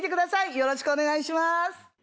よろしくお願いします！